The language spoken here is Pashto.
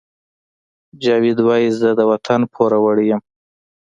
جاوید وایی زه د وطن پوروړی یم